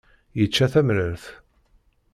Yečča tamrart.